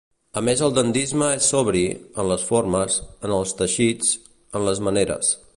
A més el dandisme és sobri, en les formes, en els teixits, en les maneres.